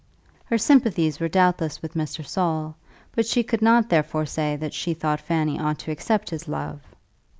Her sympathies were doubtless with Mr. Saul, but she could not therefore say that she thought Fanny ought to accept his love.